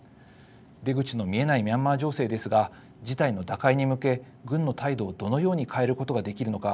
出口の見えないミャンマー情勢ですが事態の打開に向け軍の態度をどのように変えることができるのか。